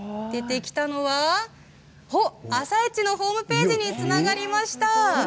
出てきたのは「あさイチ」のホームページにつながりました。